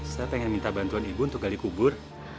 saya pengen minta bantuan ibu untuk gali kubur